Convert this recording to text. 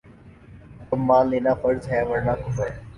حکم مان لینا فرض ہے ورنہ کفر